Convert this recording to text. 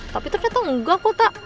tapi ternyata enggak kok tak